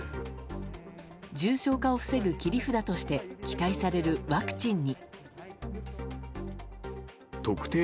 重症化を防ぐ切り札として期待されるワクチンに。